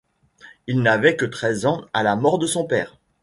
Il n’avait que treize ans à la mort de son père.